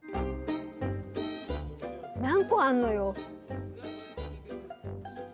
何個あんのよ。